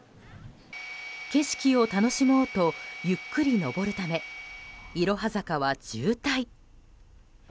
景色を楽しもうとゆっくり上るためいろは坂は渋滞。